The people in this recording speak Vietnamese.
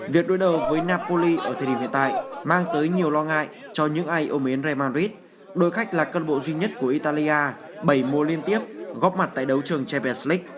việc đối đầu với napoli ở thời điểm hiện tại mang tới nhiều lo ngại cho những ai ôm đến real madrid đội khách là cân bộ duy nhất của italia bảy mùa liên tiếp góp mặt tại đấu trường chabies leage